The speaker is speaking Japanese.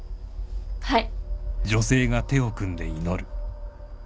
はい。